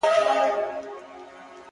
شپه راغلې ده پر دښته